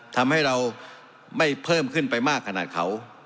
ทำให้เราไม่เพิ่มขึ้นไปมากขนาดเขา